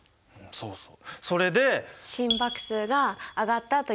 そうそう。